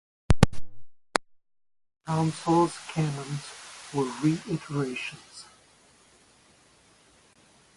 Many of the Council's canons were reiterations.